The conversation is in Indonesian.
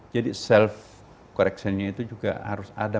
jadi self correction nya itu juga harus ada